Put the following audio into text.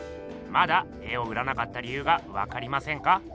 まだ絵を売らなかった理ゆうがわかりませんか？